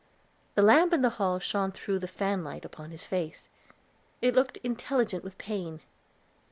The lamp in the hall shone through the fanlight upon his face; it looked intelligent with pain.